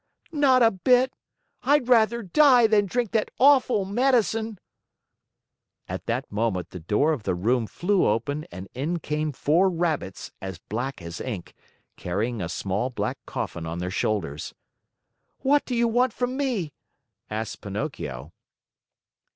"Not a bit. I'd rather die than drink that awful medicine." At that moment, the door of the room flew open and in came four Rabbits as black as ink, carrying a small black coffin on their shoulders. "What do you want from me?" asked Pinocchio.